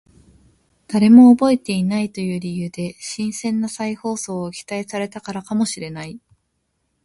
誰も覚えていないという理由で新鮮な再放送を期待されたからかもしれない